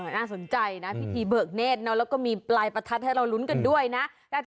น่าสนใจนะพิธีเบิกเนธแล้วก็มีปลายประทัดให้เราลุ้นกันด้วยนะ